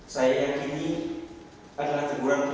saya yakini adalah cemburan tuhan